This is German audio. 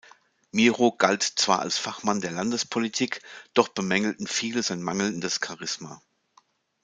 Mirow galt zwar als Fachmann der Landespolitik, doch bemängelten viele sein mangelndes Charisma.